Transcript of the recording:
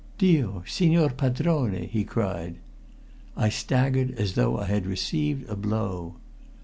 "Dio Signor Padrone!" he cried. I staggered as though I had received a blow.